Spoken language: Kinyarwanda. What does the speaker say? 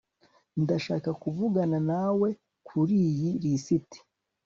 ndashaka kuvugana nawe kuriyi lisiti